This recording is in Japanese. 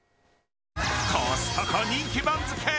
コストコ人気番付。